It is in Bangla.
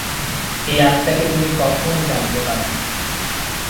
এই আত্মাকে তুমি কখনও জানতে পার না।